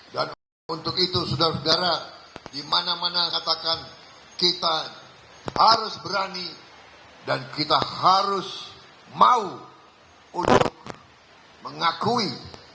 dan untuk itu saudara saudara dimana mana katakan kita harus berani dan kita harus mau untuk mengakui